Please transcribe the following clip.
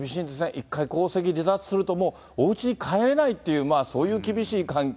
一回皇室離脱されると、もうおうちに帰れないっていう、そういう厳しい環境。